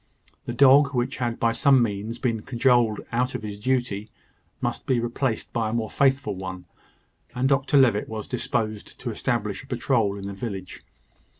The dog, which had by some means been cajoled out of his duty, must be replaced by a more faithful one; and Dr Levitt was disposed to establish a patrol in the village.